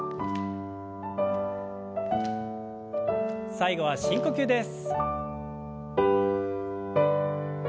最後は深呼吸です。